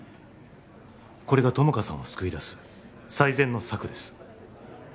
これが友果さんを救い出す最善の策です